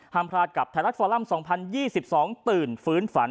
พลาดกับไทยรัฐฟอลัม๒๐๒๒ตื่นฟื้นฝัน